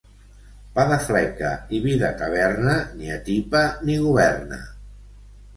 Pa de fleca i vi de taverna ni atipa ni governa.